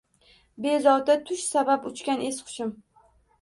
Bezovta tush sabab uchgan es-hushim